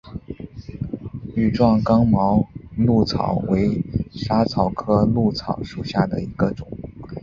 羽状刚毛藨草为莎草科藨草属下的一个种。